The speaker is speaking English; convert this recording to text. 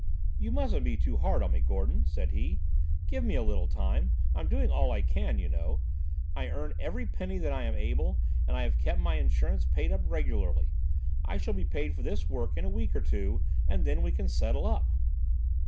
"You mustn't be too hard on me, Gordon," said he. "Give me a little time. I'm doing all I can, you know. I earn every penny that I am able, and I have kept my insurance paid up regularly. I shall be paid for this work in a week or two and then we can settle up."